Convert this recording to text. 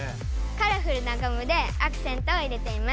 カラフルなゴムでアクセントを入れています。